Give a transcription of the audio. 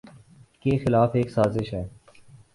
کے خلاف ایک سازش ہے۔